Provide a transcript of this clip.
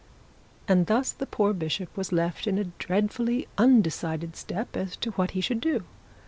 And thus the poor bishop was left in a dreadfully undecided state as to what he should do.